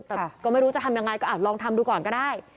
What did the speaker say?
แต่ก็ไม่รู้จะทำยังไงก็ลองทำดูก่อนก็ได้